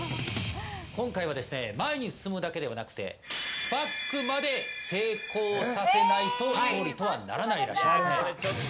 今回は前に進むだけではなくてバックまで成功させないと勝利とはならないらしいですね。